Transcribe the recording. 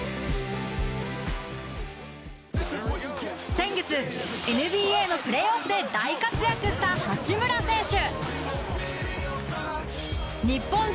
先月ＮＢＡのプレーオフで大活躍した八村選手。